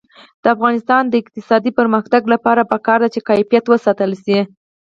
د افغانستان د اقتصادي پرمختګ لپاره پکار ده چې کیفیت وساتل شي.